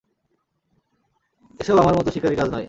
এসব আমার মতো শিকারীর কাজ নয়।